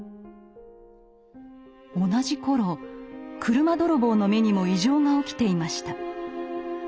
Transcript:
同じ頃車泥棒の目にも異常が起きていました。